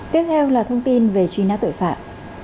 tiếp theo là thông tin về truy nã tội phạm